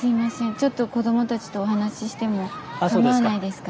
ちょっと子どもたちとお話ししてもかまわないですか？